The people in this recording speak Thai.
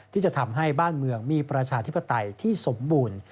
ที่จะทำให้บ้านเมืองมีประชาธิปไตยที่สมบูรณ์